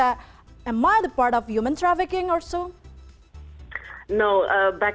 apakah anda merasa apakah saya adalah bagian dari pengadopsi manusia atau tidak